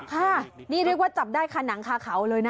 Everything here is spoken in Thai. ค่ะนี่เรียกว่าจับได้ค่ะหนังคาเขาเลยนะ